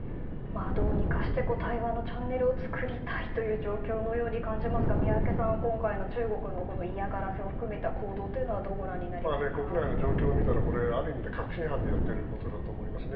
どうにかして対話のチャンネルを作りたい状況のように感じますが宮家さん、今回の中国の嫌がらせを含めた行動というのは国内の状況を見たらある意味で確信犯でやってることだと思いますね。